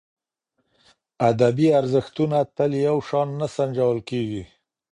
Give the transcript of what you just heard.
ادبي ارزښتونه تل یو شان نه سنجول کېږي.